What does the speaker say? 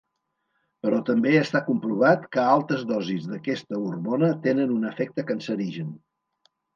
Però també està comprovat que altes dosis d'aquesta hormona tenen un efecte cancerigen.